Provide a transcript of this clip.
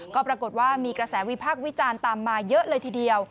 ก็ปรากฏว่ามีกระแสวิพากษ์วิจารณ์ตามมาเยอะเลยทีเดียว